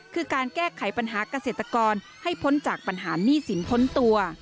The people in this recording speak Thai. คือการแก้ไขปัญหาเกษตรกรให้พ้นจากปัญหาหนี้สินพ้นตัว